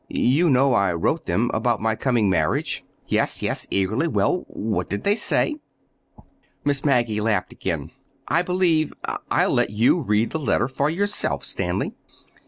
You know I wrote them—about my coming marriage." "Yes, yes," eagerly. "Well, what did they say?" Miss Maggie laughed again. "I believe—I'll let you read the letter for yourself, Stanley.